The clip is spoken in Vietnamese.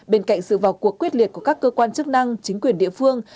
bên cạnh sự vào cuộc quyết liệt của các cơ quan chức năng chính quyền địa phương